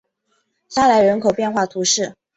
沙莱人口变化图示